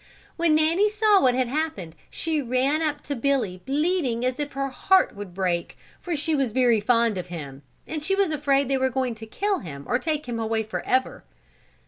When Nanny saw what had happened she ran up to Billy bleating as if her heart would break for she was very fond of him, and she was afraid they were going to kill him or take him away forever.